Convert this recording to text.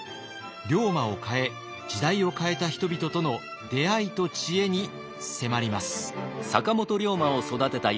龍馬を変え時代を変えた人々との出会いと知恵に迫ります。